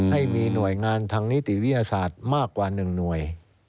ให้มีหน่วยงานทางนิติวิทยาศาสตร์มากกว่า๑หน่วย